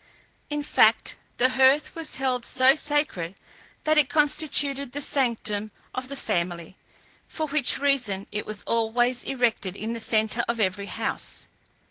In fact, the hearth was held so sacred that it constituted the sanctum of the family, for which reason it was always erected in the centre of every house.